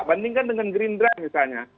bandingkan dengan green dran misalnya